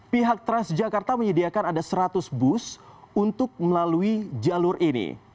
pihak transjakarta menyediakan ada seratus bus untuk melalui jalur ini